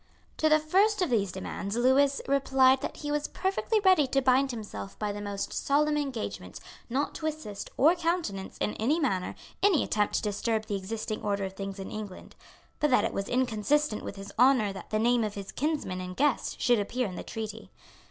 To the first of these demands Lewis replied that he was perfectly ready to bind himself by the most solemn engagements not to assist or countenance, in any manner, any attempt to disturb the existing order of things in England; but that it was inconsistent with his honour that the name of his kinsman and guest should appear in the treaty.